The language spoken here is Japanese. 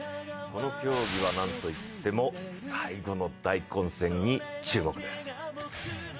この競技は何といっても、最後の大混戦に注目です。